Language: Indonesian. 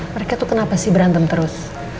mereka tuh kenapa sih berantem terus